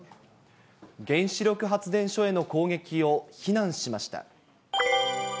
原子力発電所への攻撃を非難しました。